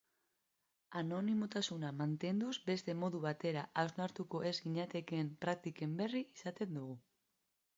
Anonimotasuna mantenduz beste modu batera ausartuko ez ginatekeen praktiken berri izaten dugu.